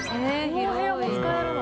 このお部屋も使えるの？